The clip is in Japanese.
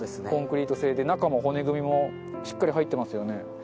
コンクリート製で、中も骨組みもしっかり入ってますよね。